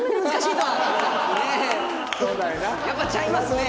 やっぱちゃいますね。